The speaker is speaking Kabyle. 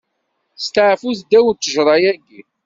Steɛfut ddaw n ttejṛa-agi.